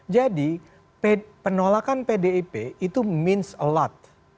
jadi penolakan pdip itu berarti banyak